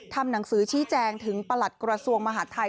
ทำหนังสือชี้แจงถึงประหลัดกระทรวงมหาดไทย